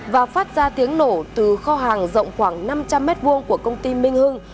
và phát ra tiếng nổ từ kho hàng rộng khoảng năm trăm linh m hai của công ty minh hưng